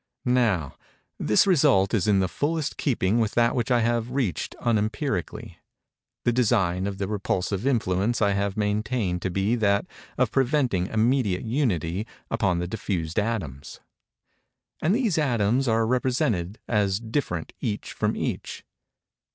Now, this result is in the fullest keeping with that which I have reached unempirically. The design of the repulsive influence I have maintained to be that of preventing immediate Unity among the diffused atoms; and these atoms are represented as different each from each.